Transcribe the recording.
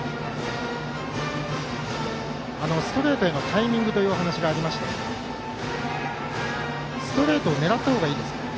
ストレートへのタイミングというお話がありましたがストレートを狙ったほうがいいんですか？